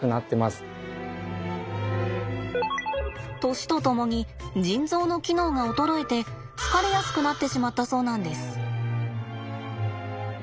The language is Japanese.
年とともに腎臓の機能が衰えて疲れやすくなってしまったそうなんです。